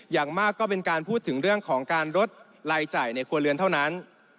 อย่างมากก็เป็นการพูดถึงเรื่องของการลดรายจ่ายในครัวเรือนเท่านั้น